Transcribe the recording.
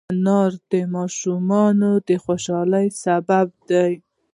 انار د ماشومانو د خوشحالۍ سبب دی.